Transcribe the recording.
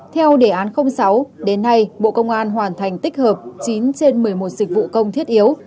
theo đề án sáu đến nay bộ công an hoàn thành tích hợp chín trên một mươi một dịch vụ công thiết yếu